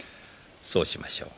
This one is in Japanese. そうしましょう。